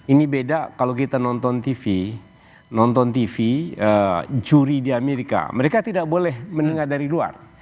ini beda kalau kita nonton tv nonton tv juri di amerika mereka tidak boleh mendengar dari luar